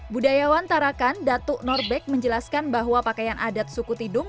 budayawan tarakan datuk norbek menjelaskan bahwa pakaian adat suku tidung